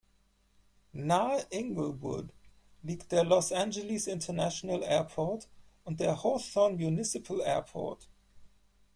Nahe Inglewood liegt der Los Angeles International Airport und der Hawthorne Municipal Airport.